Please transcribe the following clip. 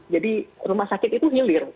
jadi rumah sakit itu hilir